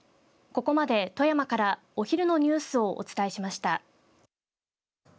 ここまで富山からお昼のニュースをお伝えしました。